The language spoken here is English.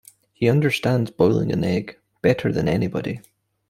He understands boiling an egg better than anybody.